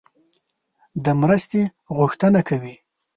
د مرستې غوښتنه کوي.